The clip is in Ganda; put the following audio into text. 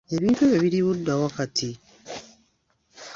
Ebintu ebyo biri ludda wa kati?